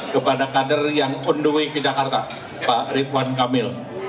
kepada kader yang underway di jakarta pak ridwan kamil